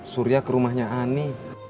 surya ke rumahnya ani